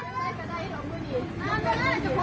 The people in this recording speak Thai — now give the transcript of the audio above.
ก้อยกผู้เดี่ยว